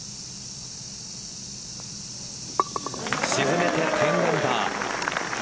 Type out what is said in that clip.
沈めて、１０アンダー。